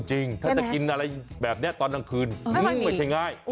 จริงถ้าจะกินอะไรแบบนี้ตอนกลางคืนไม่ใช่ง่าย